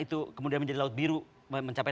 itu kemudian menjadi laut biru mencapai